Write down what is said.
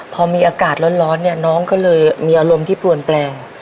พอมีอากาศร้อนเนี่ยน้องก็เลยมีอารมณ์ที่ปลวนแปลง